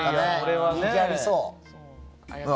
人気ありそう。